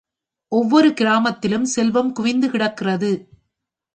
ஒவ்வொரு கிராமத்திலும் செல்வம் குவிந்து கிடக்கிறது.